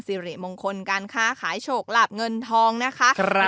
สิริมงคลการค้าขายโฉกหลับเงินทองนะคะ